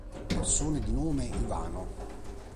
Persone di nome Ivano